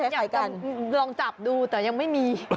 พายายามอยากลองจับดูแต่ยังไม่มี